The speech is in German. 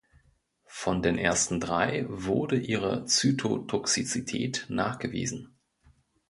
Von den ersten drei wurde ihre Zytotoxizität nachgewiesen.